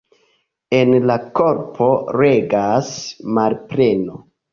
En la korpo regas malpleno.